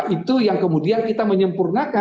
itu yang kemudian kita menyempurnakan